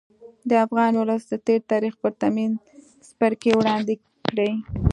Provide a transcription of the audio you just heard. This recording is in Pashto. د افغان ولس د تېر تاریخ پرتمین څپرکی وړاندې کړي.